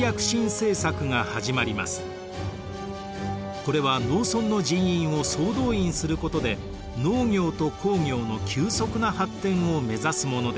これは農村の人員を総動員することで農業と工業の急速な発展を目指すものでした。